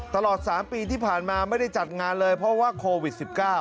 ตลอด๓ปีที่ผ่านมาไม่ได้จัดงานเลยเพราะว่าโควิด๑๙